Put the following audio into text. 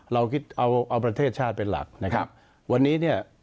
เราคิดเอาเอาประเทศชาติเป็นหลักนะครับวันนี้เนี่ย